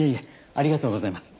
ありがとうございます。